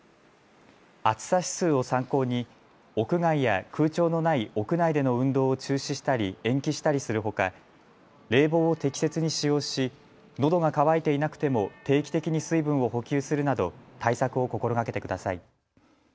暑さ指数を参考に屋外や空調のない屋内での運動を中止したり延期したりするほか冷房を適切に使用しのどが渇いていなくても定期的に水分を補給するなど対策を心がけてください。